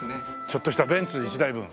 ちょっとしたベンツ１台分。